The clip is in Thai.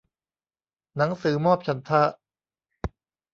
หนังสือมอบฉันทะ